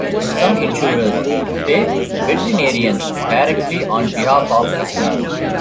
Some insurers pay veterinarians directly on behalf of customers.